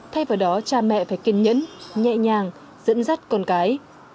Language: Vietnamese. thay vào đó cha mẹ phải kiên nhẫn nhẹ nhàng dẫn dắt con cái